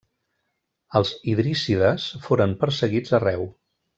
Els idríssides foren perseguits arreu.